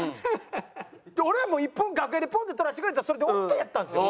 俺はもう１本楽屋でポンって撮らせてくれたらそれでオーケーやったんですよ。